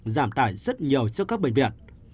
giảm tải rất nhiều cho các bệnh viện